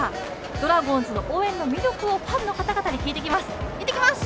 ドラゴンズの応援の魅力をファンの方々に聞いてきます。